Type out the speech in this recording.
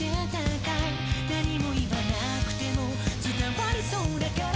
「何も言わなくても伝わりそうだから」